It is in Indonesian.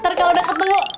ntar kalo udah ketemu